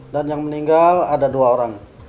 dan yang meninggal ada dua orang